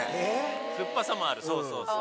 酸っぱさもあるそうそうそう。